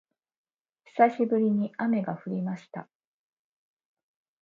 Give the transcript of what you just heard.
久しぶりに雨が降りました